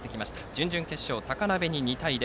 準々決勝、高鍋に２対０。